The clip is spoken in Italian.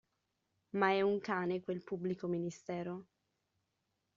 Ma è un cane quel pubblico ministero?